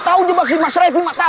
tuh kemana sih itu petah